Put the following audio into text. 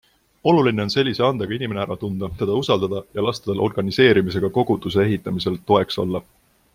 Oluline on sellise andega inimene ära tunda, teda usaldada ja lasta tal organiseerimisega koguduse ehitamisel toeks olla.